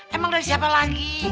emang dari siapa lagi